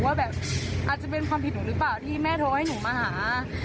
ว่าแบบอาจจะเป็นความผิดหนูหรือเปล่าที่แม่โทรให้หนูมาหา